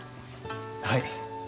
はい。